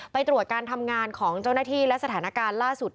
ไปตรวจการทำงานของเจ้าหน้าที่และสถานการณ์ล่าสุด